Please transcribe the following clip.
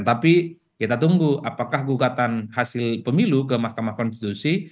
tapi kita tunggu apakah gugatan hasil pemilu ke mahkamah konstitusi